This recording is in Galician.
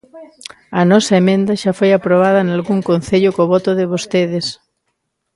A nosa emenda xa foi aprobada nalgún concello co voto de vostedes.